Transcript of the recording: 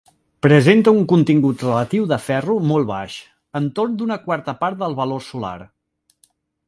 Presenta un contingut relatiu de ferro molt baix, entorn d'una quarta part del valor solar.